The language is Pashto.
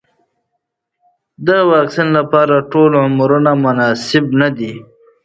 د واکسین لپاره ټول عمرونه مناسب نه دي.